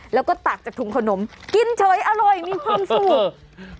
แล้วก็ตักจากถุงขนมกินเฉยอร่อยมีความสุข